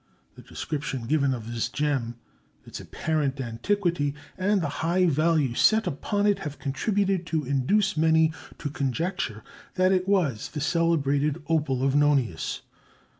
The description given of this gem, its apparent antiquity, and the high value set upon it have contributed to induce many to conjecture that it was the celebrated "opal of Nonius."